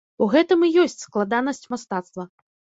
У гэтым і ёсць складанасць мастацтва.